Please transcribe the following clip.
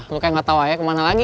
lu kayak enggak tahu ya kemana lagi